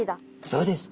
そうです。